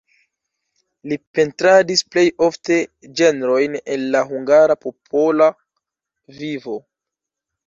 Li pentradis plej ofte ĝenrojn el la hungara popola vivo.